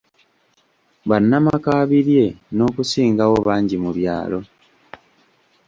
Bannamakaabirye n'okusingawo bangi mu byalo.